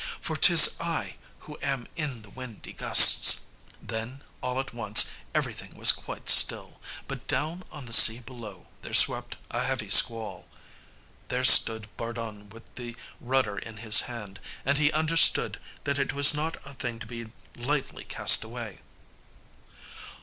For 'tis I who am in the windy gusts." Then all at once everything was quite still; but down on the sea below there swept a heavy squall. There stood Bardun with the rudder in his hand, and he understood that it was not a thing to be lightly cast away.